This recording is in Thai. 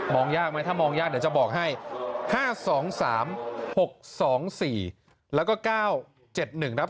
ยากไหมถ้ามองยากเดี๋ยวจะบอกให้๕๒๓๖๒๔แล้วก็๙๗๑ครับ